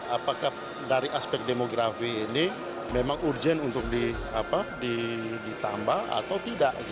apakah dari aspek demografi ini memang urgent untuk ditambah atau tidak